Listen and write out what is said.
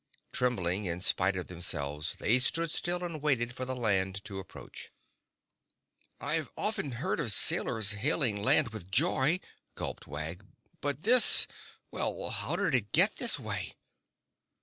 Trembling in spite of themselves, they stood still and waited for the Land to approach. [Illustration: (unlabelled)] "I've often heard of sailors hailing land with joy," gulped Wag, "but this—well, how did it get this way?"